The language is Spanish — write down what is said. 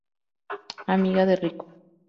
Amiga de Riko.